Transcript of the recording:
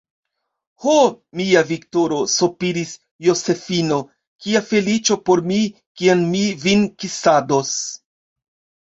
Ho, mia Viktoro, sopiris Josefino, kia feliĉo por mi, kiam mi vin kisados.